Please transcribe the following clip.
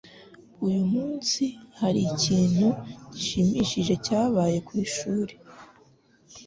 Uyu munsi, hari ikintu gishimishije cyabaye ku ishuri?